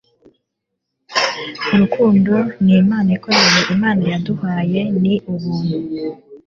urukundo nimpano ikomeye imana yaduhaye. ni ubuntu